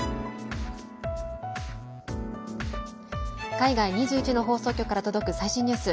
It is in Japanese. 海外２１の放送局から届く最新ニュース。